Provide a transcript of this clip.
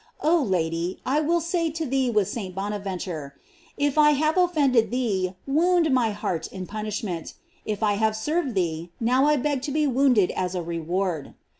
O Lady, I will say to thee with St. Bonaventure, if I have offended thee, wound my heart in punishment ; if I have served thee, now I beg to be wounded as a reward.